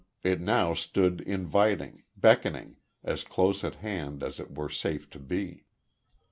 It now stood inviting, beckoning, as close at hand as it were safe to be.